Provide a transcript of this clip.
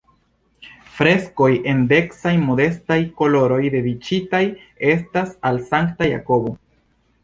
Freskoj en decaj-modestaj koloroj dediĉitaj estas al Sankta Jakobo.